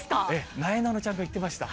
なえなのちゃんが言ってました。